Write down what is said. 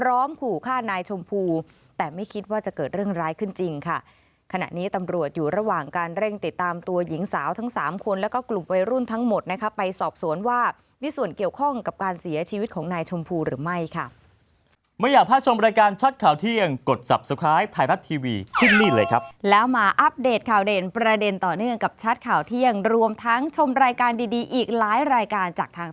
ระหว่างการเร่งติดตามตัวหญิงสาวทั้ง๓คนและกลุ่มวัยรุ่นทั้งหมดไปสอบสวนว่ามีส่วนเกี่ยวข้องกับการเสียชีวิตของนายชมพูหรือไม่ค่ะ